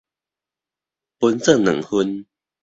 分做兩份